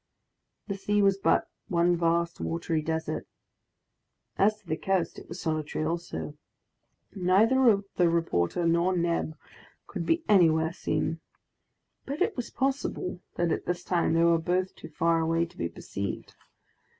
The sea was but one vast watery desert. As to the coast, it was solitary also. Neither the reporter nor Neb could be anywhere seen. But it was possible that at this time they were both too far away to be perceived.